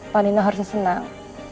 pak nino harusnya senang